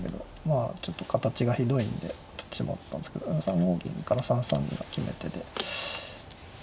あちょっと形がひどいんで取ってしまったんですけど３五銀から３三銀が決め手で。